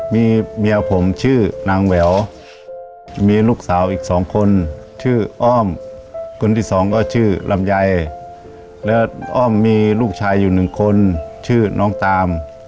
มีเมียผมชื่อนางแหววมีลูกสาวอีกสองคนชื่ออ้อมคนที่สองก็ชื่อลำไยแล้วอ้อมมีลูกชายอยู่หนึ่งคนชื่อน้องตาม